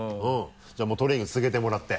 じゃあトレーニング続けてもらって。